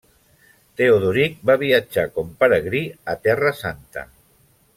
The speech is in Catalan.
Teodoric va viatjar com peregrí a Terra Santa.